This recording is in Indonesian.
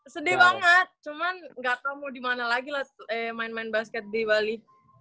sedih banget cuman gak tau mau dimana lagi lah main main basket di bali